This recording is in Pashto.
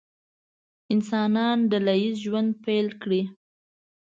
انسانانو ډله ییز ژوند پیل کړی.